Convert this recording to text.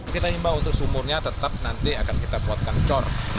kita himbau untuk sumurnya tetap nanti akan kita buatkan cor